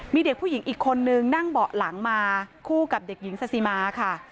มีเด็กผู้หญิงอีกคนนึงนั่งเบาะหลังมาคู่กับเด็กหญิงซาซิมาค่ะ